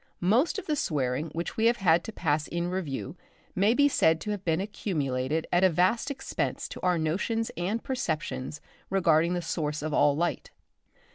Most of the swearing which we have had to pass in review may be said to have been accumulated at a vast expense to our notions and perceptions regarding the Source of all light.